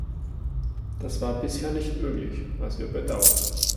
Das war bisher nicht möglich, was wir bedauern.